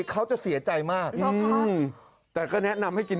เขาจะเสียใจมากแต่ก็แนะนำให้กิน